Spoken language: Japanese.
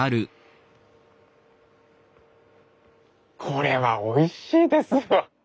これはおいしいです。